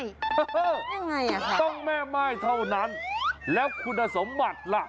ยังไงอ่ะค่ะต้องแม่ม่ายเท่านั้นแล้วคุณสมบัติล่ะ